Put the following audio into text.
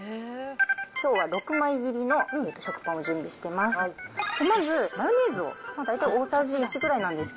きょうは６枚切りの食パンを準備してます。